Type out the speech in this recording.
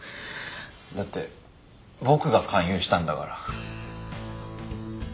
だって僕が勧誘したんだから。